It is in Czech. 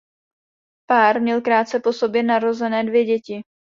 Pár měl krátce po sobě narozené dvě děti.